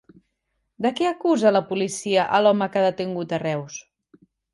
De què acusa la policia a l'home que ha detingut a Reus?